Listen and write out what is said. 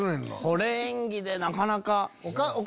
これ演技でなかなか。